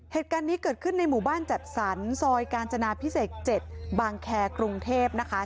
เหตุการณ์นี้เกิดขึ้นในหมู่บ้านจัดสรรซอยกาญจนาพิเศษ๗บางแคร์กรุงเทพนะคะ